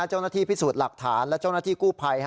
เจ้าหน้าที่พิสูจน์หลักฐานและเจ้าหน้าที่กู้ภัย